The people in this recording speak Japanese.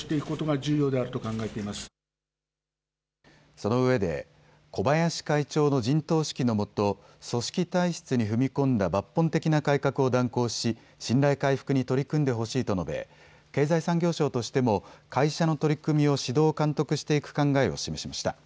そのうえで小林会長の陣頭指揮のもと、組織体質に踏み込んだ抜本的な改革を断行し信頼回復に取り組んでほしいと述べ経済産業省としても会社の取り組みを指導、監督していく考えを示しました。